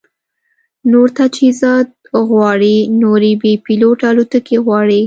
نور تجهیزات غواړي، نورې بې پیلوټه الوتکې غواړي